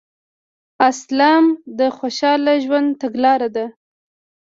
اسلام د خوشحاله ژوند تګلاره ده